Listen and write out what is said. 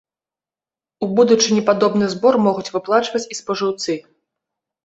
У будучыні падобны збор могуць выплачваць і спажыўцы.